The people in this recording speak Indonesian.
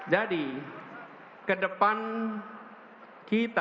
jadi kedepan kita